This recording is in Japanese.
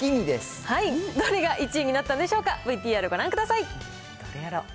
はい、どれが１位になったんでしょうか、ＶＴＲご覧ください。